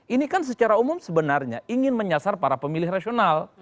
ini kan secara umum sebenarnya ingin menyasar para pemilih rasional